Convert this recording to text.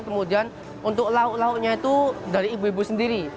kemudian untuk lauk lauknya itu dari ibu ibu sendiri